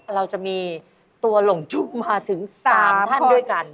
เราจะมีตัวหลงจุ๊บมาถึง๓ท่านด้วยกัน